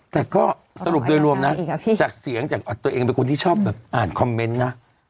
แต่ก็สรุปโดยรวมนะจากเสียงจากตัวเองเป็นคนที่ชอบแบบอ่านคอมเมนต์นะ